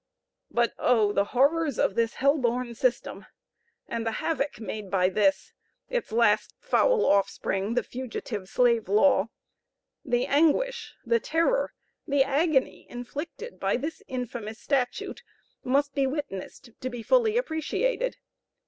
But, oh! the horrors of this hell born system, and the havoc made by this; its last foul offspring, the Fugitive Slave law. The anguish, the terror, the agony inflicted by this infamous statute, must be witnessed to be fully appreciated.